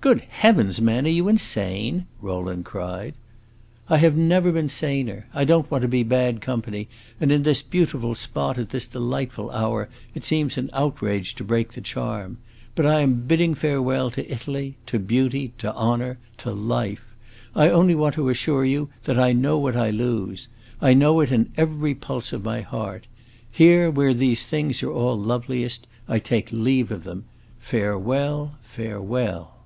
"Good heavens, man, are you insane?" Rowland cried. "I never have been saner. I don't want to be bad company, and in this beautiful spot, at this delightful hour, it seems an outrage to break the charm. But I am bidding farewell to Italy, to beauty, to honor, to life! I only want to assure you that I know what I lose. I know it in every pulse of my heart! Here, where these things are all loveliest, I take leave of them. Farewell, farewell!"